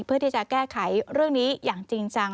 เพื่อที่จะแก้ไขเรื่องนี้อย่างจริงจัง